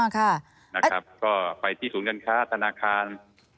ค่ะนะครับก็ไปที่ศูนย์การค้าธนาคาร